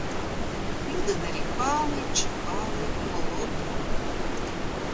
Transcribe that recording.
Люди нарікали й чекали голодного року.